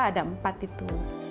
ada empat itu